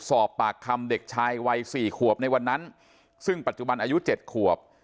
สอบปากคำเด็กชายวัยสี่ขวบในวันนั้นซึ่งปัจจุบันอายุเจ็ดขวบ